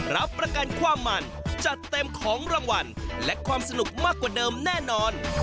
รับประกันความมันจัดเต็มของรางวัลและความสนุกมากกว่าเดิมแน่นอน